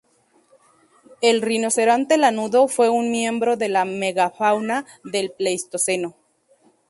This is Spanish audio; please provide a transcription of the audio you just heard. El rinoceronte lanudo fue un miembro de la megafauna del Pleistoceno.